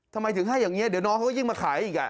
ทำไมถึงให้อย่างนี้เดี๋ยวน้องเขาก็ยิ่งมาขายอีก